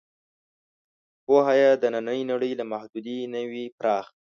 پوهه یې د نننۍ نړۍ له محدودې نه وي پراخ.